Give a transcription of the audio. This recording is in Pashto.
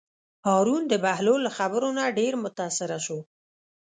هارون د بهلول له خبرو نه ډېر متأثره شو.